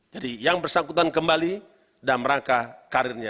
jadi yang bersangkutan kembali dan merangkah karirnya